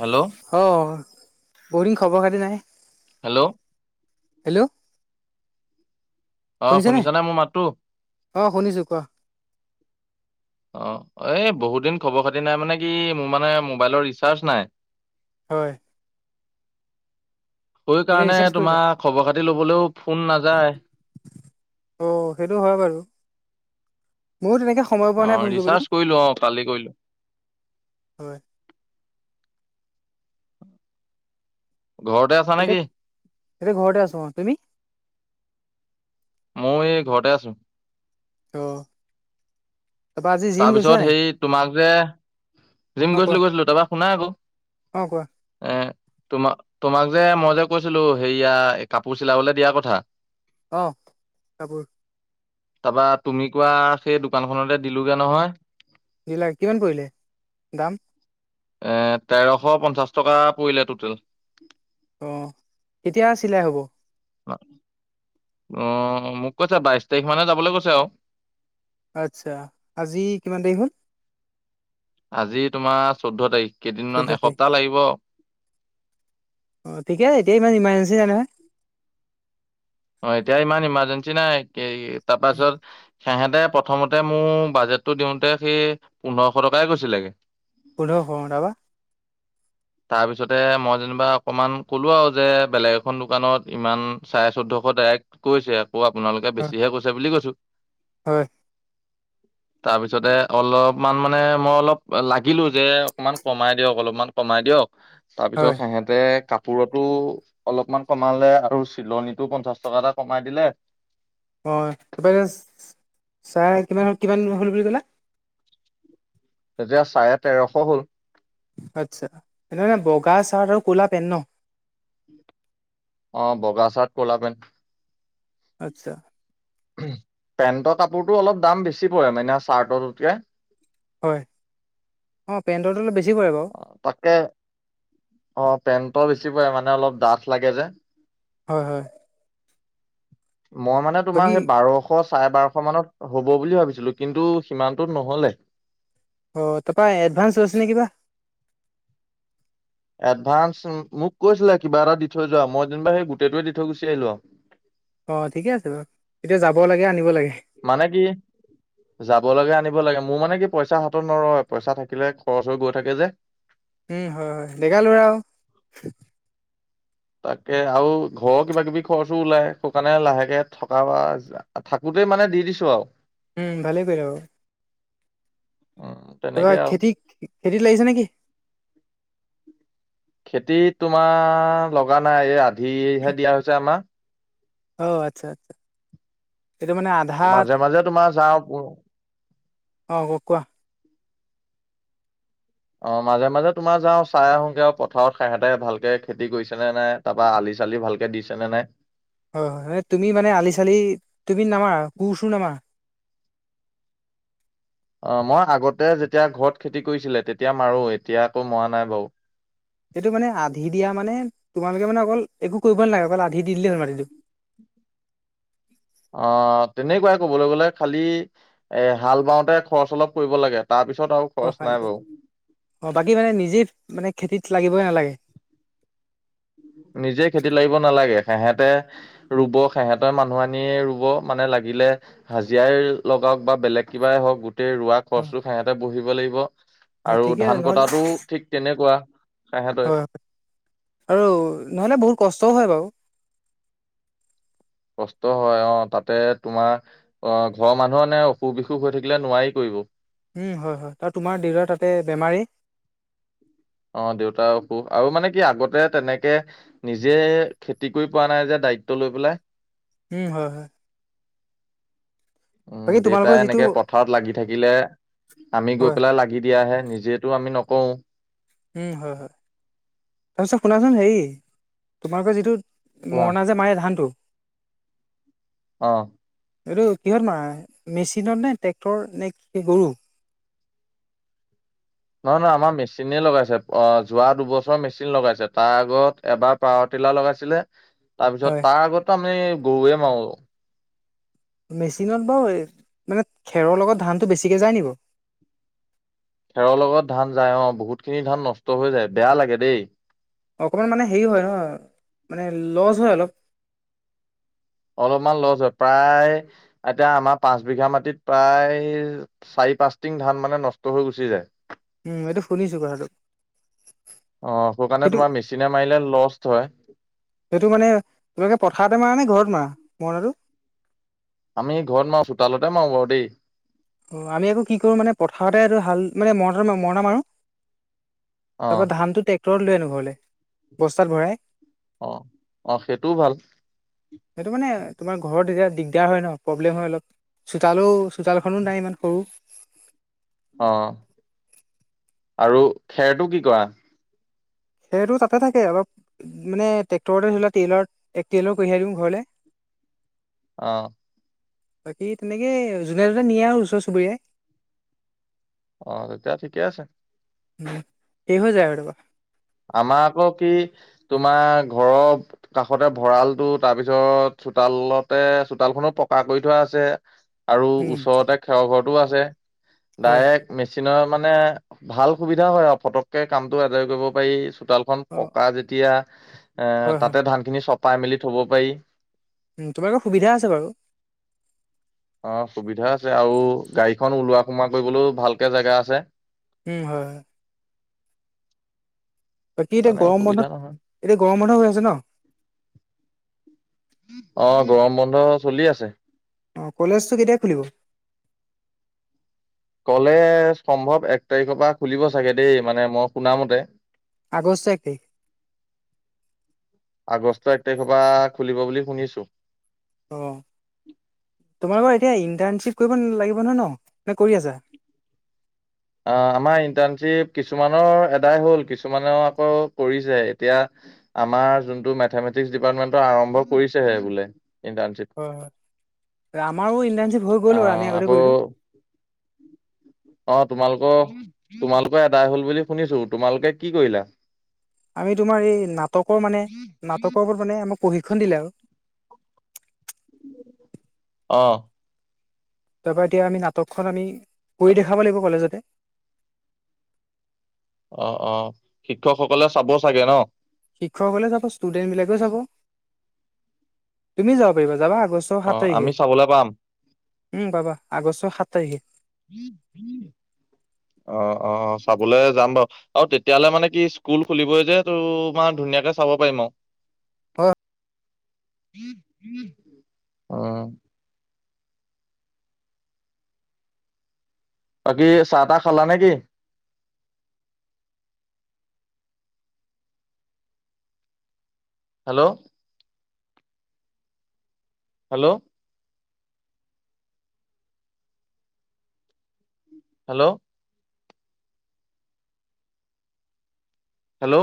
Hello. অ' বহু দিন খবৰ খতি নাই। হেল্ল'। হেল্ল'। অ', শুনিছানে শুনিছ নে মোৰ মাতটো? অ', শুনিছো কোৱা? অ', এই বহুত দিন খবৰ খাতি নাই মানে কি মোৰ মানে মোবাইলৰ ৰিচাৰ্জ নাই। হয়। সেই এতিয়া কাৰণে ৰিচাৰ্জ কৰিলা তোমাৰ খবৰ খাতি লবলৈও ফোন নাযায়। অ' সেইটো হয় বাৰু। মইও তেনেকৈ সময় পোৱা অ নাই ফোন ৰিচাৰ্জ কৰিবলৈ। কৰিলো অ কালি কৰিলো হয় ঘৰতে আ এতিয়া এতিয়া ঘৰতে আছো মই, তুমি? মই এই ঘৰতে আছো। ত' তাৰপিছত নাই হেৰি তোমাক যে জিম অ কোৱা গৈছিলো গৈছিলো তাৰপাছত শুনা আকৌ অ', কোৱা? অ'। [unintelligible] তোমাক তোমাক যে মই যে কৈছিলো সেয়া কাপোৰ চিলাবলে দিয়া কথা। অ', কাপোৰ। তাৰপা তুমি কোৱা সেই দোকানখনতে দিলোগে নহয়। হেবিলক কিমান পৰিলে, দাম। এ তেৰশ পঞ্চাশ টকা পৰিলে টুটেল। অ', এতিয়া চিলাই হ'ব। অ', উম মোক কৈছে বাইশ তাৰিখ মানে যাবলৈ কৈছে আৰু। আচ্ছা আজি কিমান তাৰিখ হ'ল। আজি তোমাৰ সোধোঁ তাৰিখ চৈধ্য কেইদিনমান তাৰিখ এসপ্তাহতা লাগিব। অ', থেকে এতিয়া ইমান ইমৰগেন্সী নাই নহয়। অ', এতিয়া ইমান ইমাৰজেন্সি নাই তাৰপাছত সেহেঁতে প্ৰথমতে মোৰ বাজেটটো দিওঁতে সেই পুণ্যৰক্ষো টকাই কৈছিলেগে। পুণ্যদোষ অ', তাৰপা তাৰপিছতে মই যেনিবা অকমান ক'লো আৰু যে বেলেগ এখন দোকানত ইমান ছাৰে সোধোঁ ডাইৰেক্ট কৈছে আকৌ আপোনালোকে বেছিহে কৈছে বুলি কৈছো। হয়। তাৰপিছতে অলপমান মানে মই অলপ লাগিলো যে অকমান কমাই দিয়ক অলপমান কমাই দিয়ক। তাৰপিছত হয় সিহেঁতে কাপোৰটো অলপমান কমালে আৰু শিলনীটো পঞ্চাছ টকা এটা কমাই দিলে। অ', তাৰপ ছাৰ কিমান কিমান হ'ল বুলি ক'লো। তেতিয়া চাৰে তেৰশ হ'ল। আচ্ছা এনে বগা চাৰ্ট আৰু ক'লা পেণ্ট ন। অ', বগা চাৰ্ট ক'লা পেণ্ট আচ্ছা। পেণ্টৰ কাপোৰটো অলপ দাম বেছি পৰে মানে চাৰ্টতকৈ হয় অ', পেণ্টৰটো অলপ বেছি পৰে বাৰু তাককে অ', পেনটো বেছি পৰে মানে অলপ ডাঠ লাগে যে হয় হয়। মই মানে তোমাৰ বাকী সেই বাৰ'খ এশ সৰে বাৰ'খো মানত হ'ব বুলি ভাবিছিলো কিন্তু সিমানটোত নহলে। অ', তাৰপা এডভান্স লৈছে নে কিবা এডভানস মোক কৈছিলে কিবা এটা দি থৈ যোৱা মই যেনিবা সেই গোটেইটোৱে দি থৈ গুচি আহিলো আৰু। অ', ঠিকে আছে বাৰু তেতিয়া যাব লাগে আনিব লাগে। মানে কি যাব লাগে আনিব লাগে মোৰ মানে কি পইচা হাতত নৰয় পইচা থাকিলে খৰচ হৈ গৈ থাকে যে। উম হয় হয় ডেকা লৰা আৰু। তাকে আৰু ঘৰৰ কিবা কিবি খৰচো ওলাই কাৰণে লাহেকে থকা বা থাকোতেই মানে দি দিছো আৰু। উম ভালেই অ'। অই খেতি খেতিত লাগিছে নেকি। খেতিত তোমাৰ লগা নাই এই আধিহে দিয়া হৈছে আমাক। অ', আচ্ছা, এইটো মানে আধা। মাজে আধা মাজে তোমাৰ যাওঁ অ', হু কোৱা। অ', মাজে মাজে তোমাৰ যাওঁ চাই আহোঁগৈ আৰু পথাৰত খহতে ভালকে খেতি কৰিছে নে নাই। তাৰ পা আলি চালি ভালকে দিছে নে নাই। হয় হয় তুমি মানে আলি চালি তুমি নামাৰা কুৰ্-চুৰ্ নামাৰা। অ', মই আগতে যেতিয়া ঘৰত খেতি কৰিছিলে তেতিয়া মাৰো এতিয়া আকৌ মৰা নাই বাৰু। এইটো মানে আধি দিয়া মানে তোমালোকে মানে অকল একো কৰিব নালাগে অকল আধি দি দিলে হয় মাটিটো। অঁ, তেনেকুৱাই কবলৈ গ'লে খালি এ হাল বাওঁতে খৰচ অলপ কৰিব লাগে তাৰ পিছত আৰু অ, খৰচ নাই বাৰু অ, বাকী মানে নিজে মানে খেতিত লাগিবই নালাগে। নিজে খেতি লিব নালাগে সেহঁতে ৰুব সিহঁতৰ মানুহ আনিয়ে ৰুব মানে লাগিলে হাজিৰা লগাওক বা বেলেগ কিবাই হওক গোটেই ৰোৱাক হয় খৰচটো সিহঁতে বহিব লাগিব হয় আৰু ঠিকে ধান নহ'লে কটাটো ঠিক তেনেকুৱা। সেহেঁতৰে হয়, আৰু নহ'লে বহুত কষ্টও হয় বাৰু। কষ্ট হয় অ' তাতে তোমাৰ অ, ঘৰৰ মানুহৰ এনে অসুখ-বিসুখ হৈ থাকিলে নোৱাৰি কৰিব। উম, হয়, হয়, তাৰ তোমাৰ দেউতাৰ তাতে বেমাৰী। অ, দেউতাৰ অসুখ আৰু মানে কি আগতে তেনেকে নিজে খেতি কৰি পোৱা নাই যে দায়িত্ব লৈ পেলাই। উম, হয়, হয়। উম, বাকী তোমালোকৰ দেউতাই যিটো এনেকে পথাৰত লাগি থাকিলে আমি গৈ হয় পেলাই লাগি দিয়াহে নিজে এইটো আমি নকওঁ। উম, হয়, হয়, তাৰপিছত শুনাচোন হেৰি তোমালোকৰ যিটো কোৱা মৰণা যে মাৰে ধানটো অ। এইটো কিহত মাৰে মেচিনত নে ট্ৰেক্টৰ নে কি গৰু? নহয়-নহয় আমাৰ মেচিনে লগাইছে, অ' যোৱা দুবছৰ মেচিন লগাইছে তাৰ আগত এবাৰ পাৱাৰ টিলাৰ লগাইছিলে। তাৰ পিছত হয় তাৰ আগতো আমি গৰুৱে মাৰো। মেচিনত বাৰু এই মানে খেৰৰ লগত ধানটো বেছিকে যায় নি বাৰু? খেৰৰ লগত ধান যায় অ, বহুত খিনি ধান নষ্ট হৈ যায়, বেয়া লাগে দেই। অকণমান মানে হেৰি হয় নহয় মানে লছ হয় অলপ। অলপমান লছ হয় প্ৰায় এতিয়া আমাৰ পাঁচ বিঘা মাটিত প্ৰায় চাৰি-পাঁচ টিং ধান মানে নষ্ট হৈ গুচি যায়। উম এইটো শুনিছো কথাটো আহ সোৰ কাৰণে সেইটো তোমাৰ মেচিনে মাৰিলে লষ্ট হয়। সেইটো মানে তোমোকে পথাৰতে মাৰা নে ঘৰত মাৰা মৰণাটো? আমি ঘৰত মাৰো চোতালতে মাৰো বাৰু দেই। অ, আমি আকৌ কি কৰো মানে পথাৰতে আৰু ভাল মানে ম মৰণা মাৰো। অ তাৰ পৰা ধানটো ট্ৰেক্টৰত লৈ আনো ঘৰলে বস্তাত ভৰাই। অ, অ, সেইটোও ভাল। সেইটো মানে তোমাৰ ঘৰত এতিয়া দিগদাৰ হয় ন প্ৰব্লেম হয় অলপ। চোতালো, চোতালখনো নাই ইমান সৰু। অঁ আৰু খেৰটো কি কৰা? সেইটো তাতে থাকে অলপ মানে টেক্টৰতে থৰিলো টেইলাৰ এক টেইলৰ কঢ়িয়াই দিওঁ ঘৰলৈ। [inaudible] অ। বাকী তেনেকে যোনে-যোনে নিয়ে আৰু ওচৰ চুবুৰীয়াই। অ, তেতিয়া ঠিকে আছে। উম, শেষ হৈ যায় আমাৰ আকৌ কি তোমাৰ ঘৰৰ কাষতে ভঁৰালটো তাৰপিছত চোতালতে চোতালখনো পকা কৰি থোৱা আছে। আৰু উম ওচৰতে খেৰৰ ঘৰটো আছে হয় ডাইৰেক্ট মেচিনৰ মানে ভাল সুবিধা হয় আৰু ফটককে কামটো আজৰি কৰিব পাৰি চোতাল চোতালখন অ পকা যেতিয়া এ হয় হয় তাতে ধান খিনি চপাই মেলি থব পাৰি। তোমালোকৰ সুবিধা আছে বাৰু। অ, সুবিধা আছে আৰু গাড়ীখন ওলোৱা-সোমাৱা কৰিবলৈও ভালকে জেগা আছে। উম হয়, হয়। বাকী এতিয়া মানে গৰম অসুবিধা বন্ধত নহয় এতিয়া গৰম বন্ধ হৈ আছে ন? অ' গৰম বন্ধ চলি আছে। অ' কলেজটো কেতিয়া খুলিব? কলেজ সম্ভৱ এক তাৰিখৰ পৰা খুলিব চাগে দেই মানে মই শুনামতে। আগষ্টৰ এক তাৰিখ। আগষ্টৰ এক তাৰিখৰ পৰা খুলিব বুলি শুনিছো। অঁ তোমালোকৰ এতিয়া ইণ্টাৰ্ণশ্বিপ কৰিব লাগিব নহয় ন নে কৰি আছা? অ' আমাৰ ইণ্টাৰ্ণশ্বিপ কিছুমানৰ আদায় হ'ল কিছুমানে আকৌ কৰিছে এতিয়া। আমাৰ যোনটো মেথামেটিক্স ডিপাৰ্টেনটো আৰম্ভ কৰিছেহে বোলে ইণ্টাৰ্ণচিপ। আমাৰো ইণ্টাৰ্ণশ্বিপ হৈ অ গ'ল বাৰু আমি আগতে আকৌ কৰিলো। অ' তোমালোকৰ তোমালোকৰ আদায় হ'ল বুলি শুনিছো, তোমালোকে কি কৰিলা? আমি তোমাৰ এই নাটকৰ মানে নাটকৰ ওপৰত মানে আমাক প্ৰশিক্ষণ দিলে আৰু। অ'। তাৰ পৰা এতিয়া আমি নাটকখন আমি কৰি দেখাব লাগিব কলেজতে। অ' অ' শিক্ষকসকলে চাব চাগে ন? শিক্ষকসকলে যাব ষ্টুডেন্ট বিলাকেও চাব তুমি যাব পাৰিবা যাবা আগ ষ্ট সাত অ তাৰিখে আমি চাবলৈ পাম উম পাবা আগষ্টৰ সাত তাৰিখে। অ' অ' চাবলৈ যাম বাৰু। আৰু তেতিয়াহলে মানে কি স্কুল খুলিবই যে তোমাৰ ধুনীয়াকে চাব পাৰিম আৰু। অ'। উম। বাকী চাহ তাহ খালা নে কি? হেল্ল'। হেল্ল'। হেল্ল'। হেল্ল'।